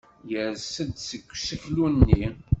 Yers-d seg useklu-nni.